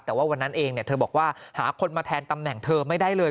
แต่ว่าวันนั้นเองเธอบอกว่าหาคนมาแทนตำแหน่งเธอไม่ได้เลย